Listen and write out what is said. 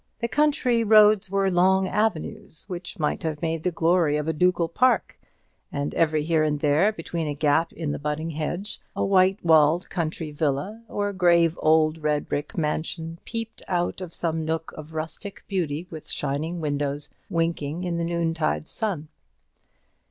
The country roads were long avenues, which might have made the glory of a ducal park; and every here and there, between a gap in the budding hedge, a white walled country villa or grave old red brick mansion peeped out of some nook of rustic beauty, with shining windows winking in the noontide sun.